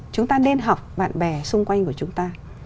chúng ta nên học bạn bè xung quanh của chúng ta